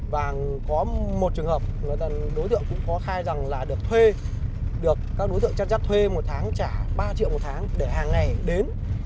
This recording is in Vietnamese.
và có một trường hợp đối tượng cũng có khai rằng là được thuê được các đối tượng chắc chắc thuê một tháng trả ba triệu một tháng để hàng ngày đến